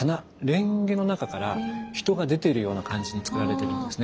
蓮華の中から人が出ているような感じにつくられているんですね。